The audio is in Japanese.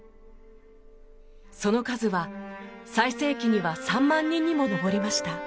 その数は最盛期には３万人にも上りました。